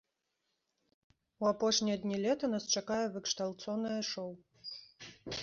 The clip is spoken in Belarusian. У апошнія дні лета нас чакае выкшталцонае шоў!